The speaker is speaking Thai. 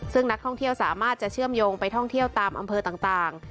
ซึ่งนักท่องเที่ยวสามารถจะเชื่อมโยงไปท่องเที่ยวตามอำเภอต่าง